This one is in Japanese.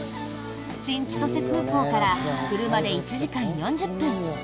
新千歳空港から車で１時間４０分。